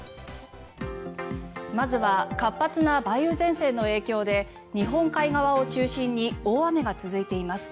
まずは活発な梅雨前線の影響で日本海側を中心に大雨が続いています。